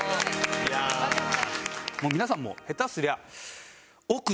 もう皆さんも下手すりゃ。